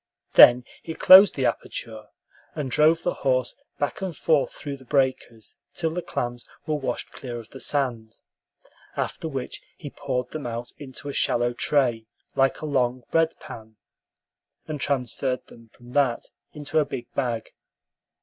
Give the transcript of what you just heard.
Then he closed the aperture, and drove the horse back and forth through the breakers till the clams were washed clear of the sand, after which he poured them out into a shallow tray like a long bread pan, and transferred them from that to a big bag.